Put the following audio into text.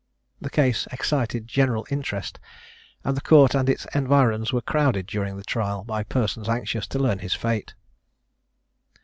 The case excited great interest, and the Court and its environs were crowded during the trial, by persons anxious to learn his fate.